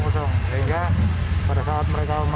sehingga pada saat mereka